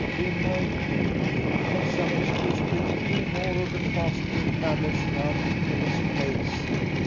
"We might, indeed, upon some excuse, bring three more of the faster camels round to this place.